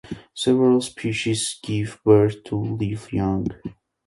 Several species give birth to live young.